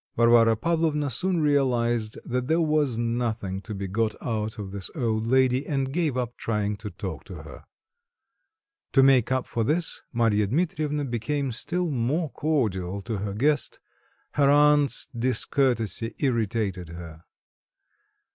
Varvara Pavlovna soon realised that there was nothing to be got out of this old lady, and gave up trying to talk to her. To make up for this, Marya Dmitrievna became still more cordial to her guest; her aunt's discourtesy irritated her.